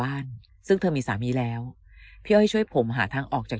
บ้านซึ่งเธอมีสามีแล้วพี่อ้อยช่วยผมหาทางออกจาก